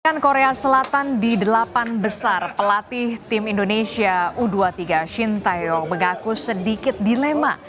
pekan korea selatan di delapan besar pelatih tim indonesia u dua puluh tiga shin taeyong mengaku sedikit dilema